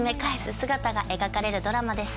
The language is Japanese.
姿が描かれるドラマです